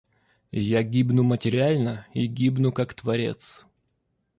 Я гибну материально и гибну как творец.